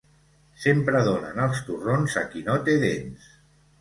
Sempre donen els torrons a qui no té dents.